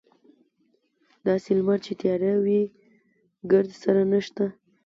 داسې لمر چې تیاره وي ګردسره نشته.